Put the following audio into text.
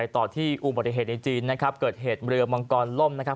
ต่อที่อุบัติเหตุในจีนนะครับเกิดเหตุเรือมังกรล่มนะครับ